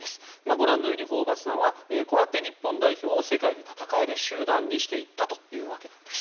ご覧のようにホーバスさんは日本代表を世界で戦える集団にしていったというわけなんです。